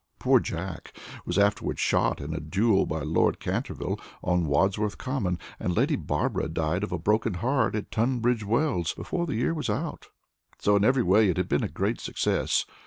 Poor Jack was afterwards shot in a duel by Lord Canterville on Wandsworth Common, and Lady Barbara died of a broken heart at Tunbridge Wells before the year was out, so, in every way, it had been a great success.